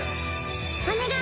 お願い